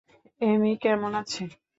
এমি কেমন আছে?